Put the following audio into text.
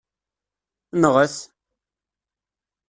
Nɣet!